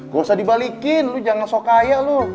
gua ga usah dibalikin lu jangan sok kaya lu